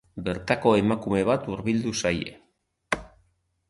Bertako emakume bat hurbildu zaie.